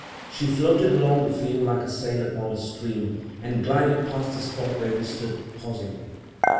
She floated along the field like a sail upon a stream, and glided past the spot where we stood, pausingly.